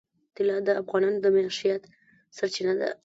طلا د افغانانو د معیشت سرچینه ده.